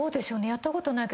やったことない。